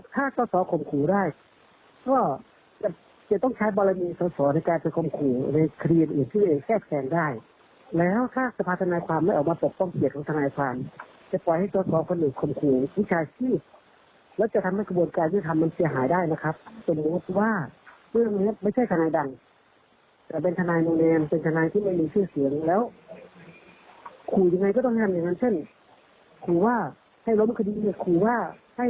ถึงว่าที่ไม่มีชื่อเสียแล้วขุยังไงก็ต้องทำอย่างนั้นเช่นขุว่าให้ล้มคดีขุว่าให้ยอมแพ้แล้วผู้ที่เสียหายที่ใครล่ะถูกความปรัชธนที่ต้องพึ่งพาบทการที่ทำ